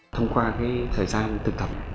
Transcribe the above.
thông qua thời gian thực tập